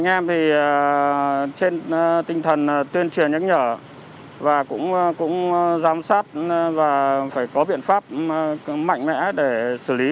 anh em trên tinh thần tuyên truyền nhắc nhở và cũng giám sát và phải có biện pháp mạnh mẽ để xử lý